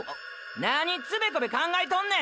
何つべこべ考えとんねん！